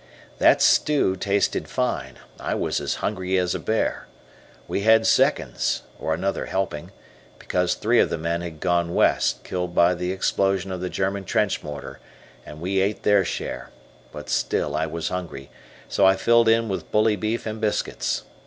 That stew tasted fine, I was as hungry as a bear. We had "seconds," or another helping, because three of the men had gone "West," killed by the explosion of the German trench mortar, and we ate their share, but still I was hungry, so I filled in with bully beef and biscuits.